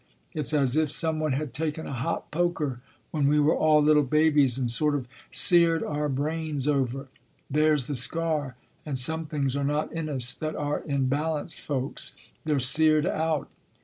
It s as if some one had taken a hot poker when we were all little babies and sort of seared our brains over. There s the scar ; and some things are not in us that are in balanced folks; they re seared out.